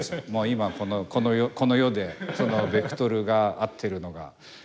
今、この世でベクトルが合っているのが。